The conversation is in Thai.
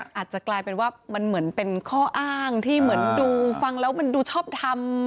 อาจจะกลายเป็นว่ามันเหมือนเป็นข้ออ้างที่เหมือนดูฟังแล้วมันดูชอบทำ